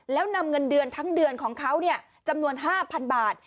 แล้วนำเงินเดือนทั้งเดือนของเขาจำนวน๕๐๐๐บาท